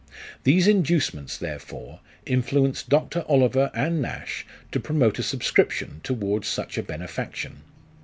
These inducements, therefore, influenced Dr. Oliver and Nash to promote a subscription towards such a benefaction.